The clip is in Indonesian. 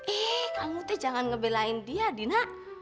eh kamu tuh jangan ngebelain dia dina